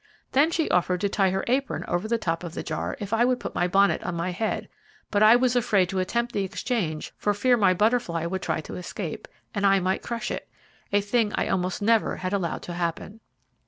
Then she offered to tie her apron over the top of the jar if I would put my bonnet on my head, but I was afraid to attempt the exchange for fear my butterfly would try to escape, and I might crush it, a thing I almost never had allowed to happen.